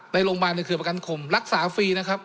ในโรงพยาบาลในเครือประกันคมรักษาฟรีนะครับ